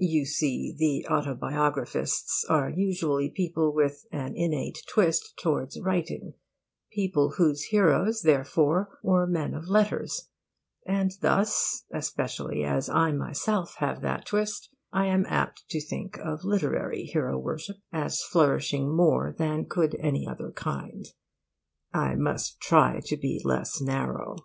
You see, the autobiographists are usually people with an innate twist towards writing, people whose heroes, therefore, were men of letters; and thus (especially as I myself have that twist) I am apt to think of literary hero worship as flourishing more than could any other kind. I must try to be less narrow.